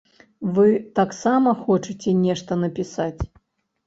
Вы таксама хочаце нешта напісаць.